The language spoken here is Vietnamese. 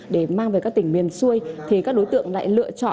để mang về các tỉnh miền xuôi